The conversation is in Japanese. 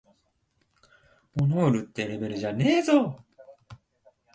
僕の隣には綺麗に包装された小包がある。昨日買ったプレゼントだ。